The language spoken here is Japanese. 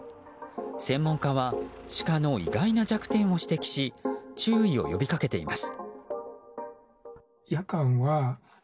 専門家はシカの意外な弱点を指摘し注意を呼びかけています。